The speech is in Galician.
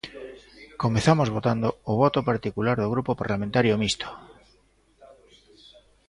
Comezamos votando o voto particular do Grupo Parlamentario Mixto.